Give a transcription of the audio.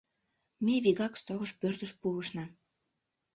Ме вигак сторож пӧртыш пурышна.